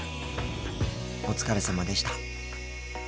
お疲れさまでした。